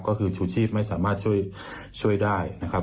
ก็คือชูชีพไม่สามารถช่วยได้นะครับ